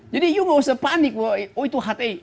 jadi kamu nggak usah panik bahwa itu hti